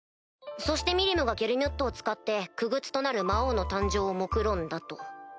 そしてミリムがゲルミュッドを使って傀儡となる魔王の誕生をもくろんだと。